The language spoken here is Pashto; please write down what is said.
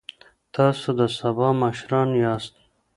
تاسو د سبا مشران یاست.